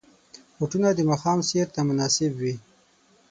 بوټونه د ماښام سیر ته مناسب وي.